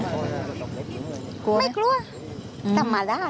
ไม่กลัวเต็มมาดาม